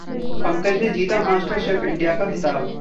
पंकज ने जीता master chef India का खिताब